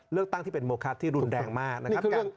เลือกตั้งที่เป็นโมคะที่รุนแรงมากนะครับ